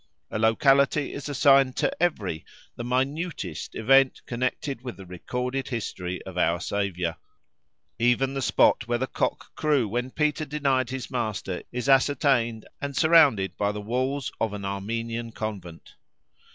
A locality is assigned to every, the minutest, event connected with the recorded history of our Saviour; even the spot where the cock crew when Peter denied his Master is ascertained, and surrounded by the walls of an Armenian convent.